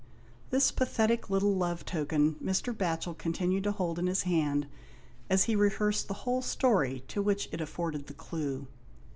This pathetic little love token Mr. Batchel continued to hold in his hand as he rehearsed the whole story to which it afforded the clue.